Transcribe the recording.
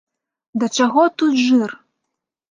Да чаго тут жыр?